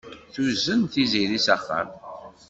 Tuzen Tiziri s axxam.